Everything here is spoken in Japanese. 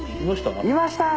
いました！